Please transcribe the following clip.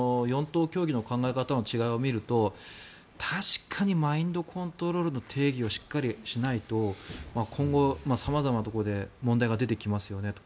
４党協議の考え方の違いを見ると確かにマインドコントロールの定義をしっかりしないと今後、様々なところで問題が出てきますよねと。